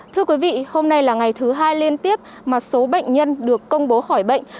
thưa quý vị hôm nay là ngày thứ hai liên tiếp mà số bệnh nhân được công bố khỏi bệnh